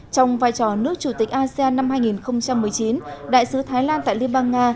trong vai trò nước chủ tịch asean năm hai nghìn một mươi chín đại sứ thái lan tại liên bang nga